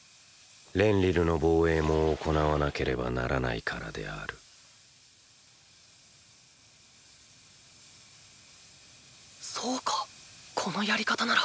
レンリルの防衛も行わなければならないからであるそうかこのやり方なら！